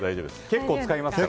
結構使いますから。